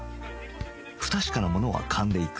不確かなものはカンでいく